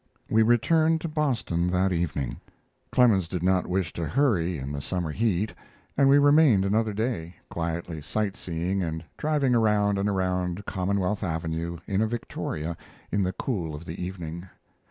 We returned to Boston that evening. Clemens did not wish to hurry in the summer heat, and we remained another day quietly sight seeing, and driving around and around Commonwealth Avenue in a victoria in the cool of the evening.